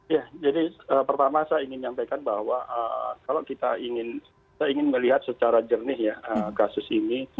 ya jadi pertama saya ingin menyampaikan bahwa kalau kita ingin melihat secara jernih ya kasus ini